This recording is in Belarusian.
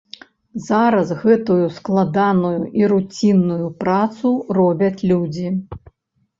Зараз гэтую складаную і руцінную працу робяць людзі.